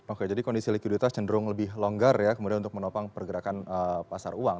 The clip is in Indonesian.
oke jadi kondisi likuiditas cenderung lebih longgar ya kemudian untuk menopang pergerakan pasar uang